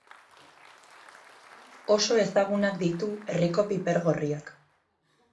Oso ezagunak ditu herriko piper gorriak.